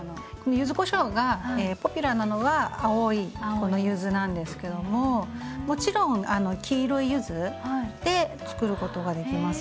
柚子こしょうがポピュラーなのは青いこの柚子なんですけどももちろん黄色い柚子でつくることができます。